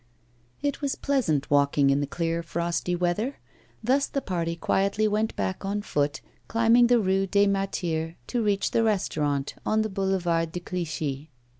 It was pleasant walking in the clear frosty weather. Thus the party quietly went back on foot, climbing the Rue des Martyrs to reach the restaurant on the Boulevard de Clichy.